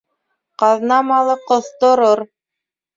Ҡаҙна малы ҡоҫторор